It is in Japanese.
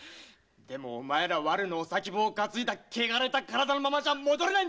でもお前ら悪のお先棒を担いだ汚れた身体のままじゃ戻れねえ！